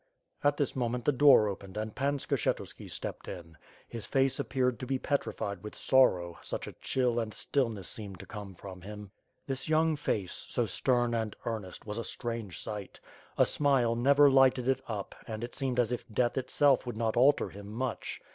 At this moment the door opened and Pan Skshetuski stepped in. His face appeared to be petrified with sorrow^ such a dhill and stillness seemed to come from him. 456 ^^^^^^^^^^^ SWORD, This young face, so stern and earnest, was a strange sight. A smile n ever lighted it up and it seemed as if' death itself wx)uld not alter him much.